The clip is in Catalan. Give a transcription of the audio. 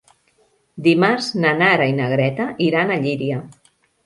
Dimarts na Nara i na Greta iran a Llíria.